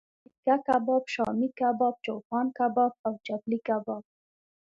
تیکه کباب، شامی کباب، چوپان کباب او چپلی کباب